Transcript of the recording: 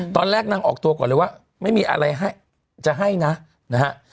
ตอนแรกนางออกตัวก่อนเลยว่าไม่มีอะไรให้จะให้นะนะฮะ